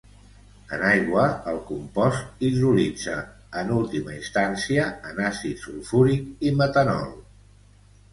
En aigua, el compost hidrolitza en última instància en àcid sulfúric i metanol.